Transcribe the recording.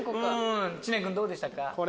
知念君どうでしたか？